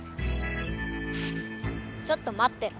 ちょっと待ってろ。